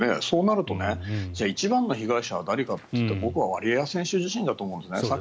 そうなると一番の被害者は誰かといったら僕はワリエワ選手自身だと思うんですね。